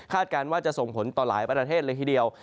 การว่าจะส่งผลต่อหลายประเทศเลยทีเดียว